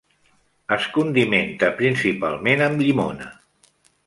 Es condimenta principalment amb llimona.